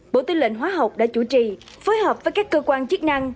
bộ tư lệnh hóa học đã chủ trì phối hợp với các cơ quan chức năng